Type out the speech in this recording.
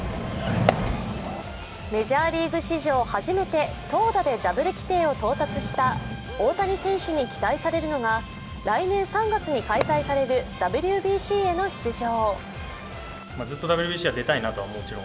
メジャーリーグ史上初めて投打でダブル規定を到達した大谷選手に期待されるのが来年３月に開催されるＷＢＣへの出場。